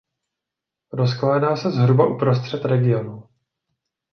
Rozkládá se zhruba uprostřed regionu.